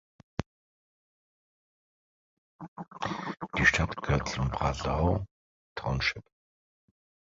Die Stadt gehört zum Brazeau Township.